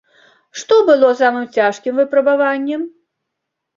Што было самым цяжкім выпрабаваннем?